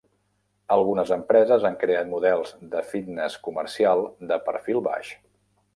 Algunes empreses han creat models de fitnes comercial de perfil baix.